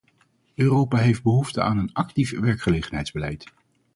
Europa heeft behoefte aan een actief werkgelegenheidsbeleid.